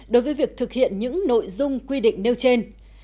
đối với việc thực hiện những nội dung quy định nêu trên